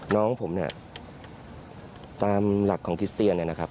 น้องผมเนี่ยตามหลักของคริสเตียนเนี่ยนะครับ